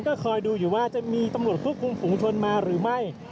ก็คอยดูอยู่ว่าจะมีตำรวจควบคุมฝุงชนมาหรือไม่